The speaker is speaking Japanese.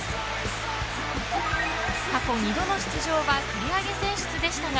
過去２度の出場は繰り上げ選出でしたが